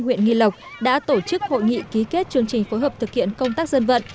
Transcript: huyện nghi lộc đã tổ chức hội nghị ký kết chương trình phối hợp thực hiện công tác dân vận